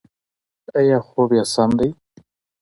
ایا خوب یې سم دی؟